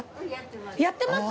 やってます。